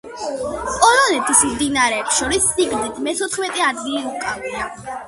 პოლონეთის მდინარეებს შორის სიგრძით მეთოთხმეტე ადგილი უკავია.